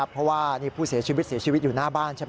เพราะว่านี่ผู้เสียชีวิตเสียชีวิตอยู่หน้าบ้านใช่ไหม